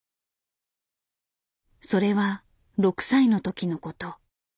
それは６歳の時のこと。